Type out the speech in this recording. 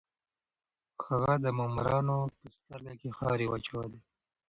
هغه د مامورانو په سترګو کې خاورې واچولې.